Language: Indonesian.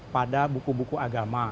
pada buku buku agama